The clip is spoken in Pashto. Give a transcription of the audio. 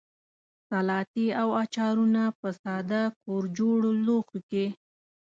سلاتې او اچارونه په ساده کورجوړو لوښیو کې.